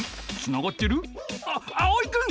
あっあおいくん！